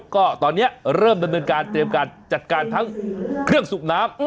ก็ตอนนี้เริ่มดำเนินการเตรียมการจัดการทั้งเครื่องสูบน้ำ